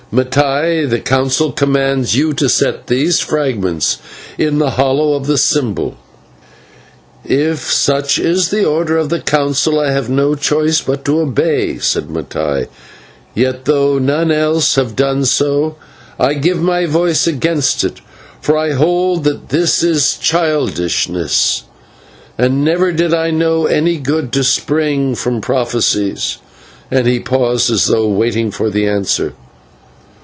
Mattai, the Council commands you to set these fragments in the hollow of the symbol." "If such is the order of the Council I have no choice but to obey," said Mattai. "Yet, though none else have done so, I give my voice against it, for I hold that this is childishness, and never did I know any good to spring from prophecies" and he paused as though waiting for an answer.